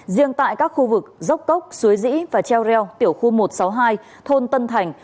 riêng tại các khu vực dốc cốc suối dĩ và treo reo tiểu khu một trăm sáu mươi hai thôn tân thành